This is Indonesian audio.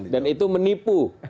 dan itu menipu